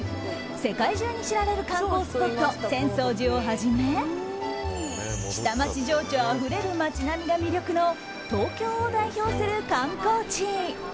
世界中に知られる観光スポット浅草寺をはじめ下町情緒あふれる町並みが魅力の東京を代表する観光地。